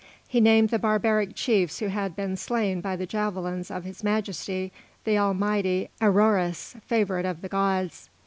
He named the barbaric chiefs who had been slain by the javelins of His Majesty the Almighty Aroëris, favourite of the gods.